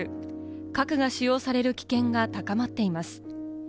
核が使用される危険が高まっています。